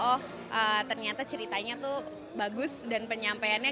oh ternyata ceritanya tuh bagus dan penyampaiannya